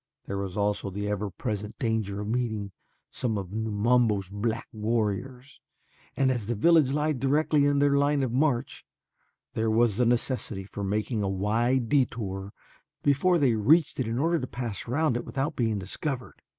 There was also the ever present danger of meeting some of Numabo's black warriors and as the village lay directly in their line of march, there was the necessity for making a wide detour before they reached it in order to pass around it without being discovered.